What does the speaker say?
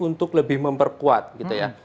untuk lebih memperkuat gitu ya